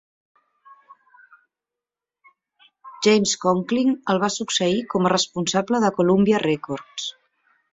James Conkling el va succeir com a responsable de Columbia Records.